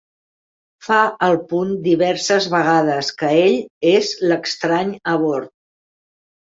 Fa el punt diverses vegades que ell és l'estrany a bord.